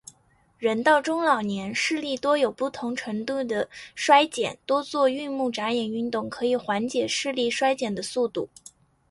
人到中老年，视力多有不同程度地衰减，多做运目眨眼运动可以减缓视力衰减的速度。